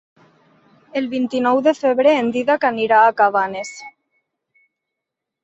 El vint-i-nou de febrer en Dídac anirà a Cabanes.